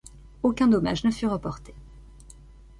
Aucun dommage ne fut reporté.